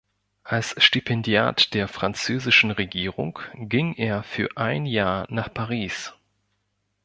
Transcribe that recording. Als Stipendiat der französischen Regierung ging er für ein Jahr nach Paris.